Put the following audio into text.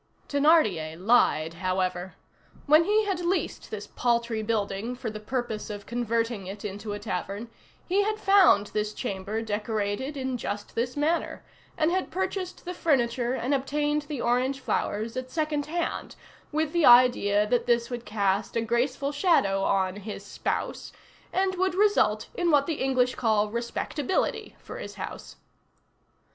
Thénardier lied, however. When he had leased this paltry building for the purpose of converting it into a tavern, he had found this chamber decorated in just this manner, and had purchased the furniture and obtained the orange flowers at second hand, with the idea that this would cast a graceful shadow on "his spouse," and would result in what the English call respectability for his house.